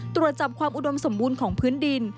ตรวจจับความอุดมสมบูรณ์ของพื้นดิน